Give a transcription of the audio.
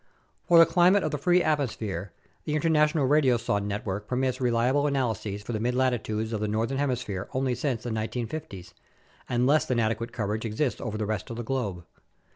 For the climate of the free atmosphere, the international radiosonde network permits reliable analyses for the midlatitudes of the northern hemisphere only since the 1950's, and less than adequate coverage exists over the rest of the globe.